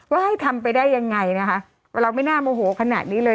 ว่าให้ทำไปได้ยังไงนะคะเราไม่น่าโมโหขนาดนี้เลย